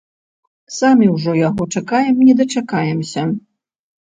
Самі ўжо яго чакаем не дачакаемся.